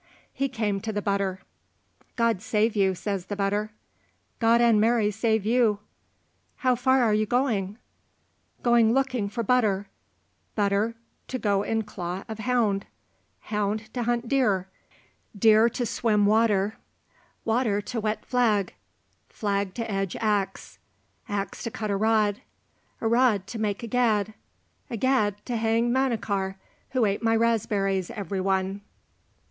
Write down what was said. He came to the butter. "God save you," says the butter. "God and Mary save you." "How far are you going?" "Going looking for butter, butter to go in claw of hound, hound to hunt deer, deer to swim water, water to wet flag, flag to edge axe, axe to cut a rod, a rod to make a gad, a gad to hang Manachar, who ate my raspberries every one."